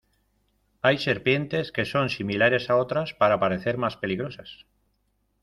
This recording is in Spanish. Hay serpientes que son similares a otras para parecer más peligrosas.